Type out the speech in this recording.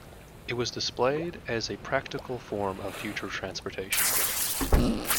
It was displayed as a practical form of future transportation.